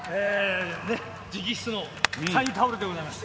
直筆のサインタオルでございます。